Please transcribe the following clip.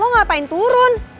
lo ngapain turun